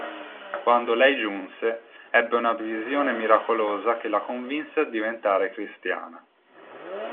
Quando lei giunse, ebbe una visione miracolosa che la convinse a diventare cristiana.